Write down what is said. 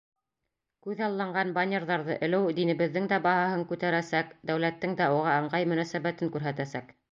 Күҙалланған баннерҙарҙы элеү динебеҙҙең дә баһаһын күтәрәсәк, дәүләттең дә уға ыңғай мөнәсәбәтен күрһәтәсәк.